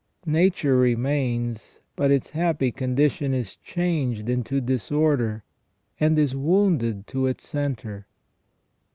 Nature remains, but its happy condition is changed into disorder, and is wounded to its centre.